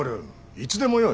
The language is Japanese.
いつでもよい。